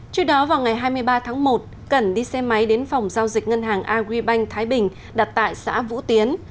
trước đó vào ngày hai mươi ba tháng một cẩn đi xe máy đến phòng giao dịch ngân hàng agribank thái bình đặt tại xã vũ tiến